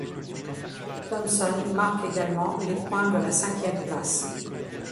Thompson marque également les points de la cinquième place.